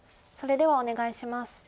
それではお願いします。